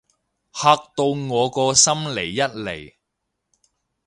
嚇到我個心離一離